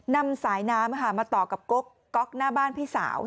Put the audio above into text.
นำสายน้ำมาต่อกับก๊อกหน้าบ้านพี่สาว